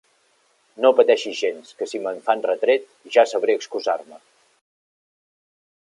No pateixis gens, que, si me'n fan retret, ja sabré excusar-me!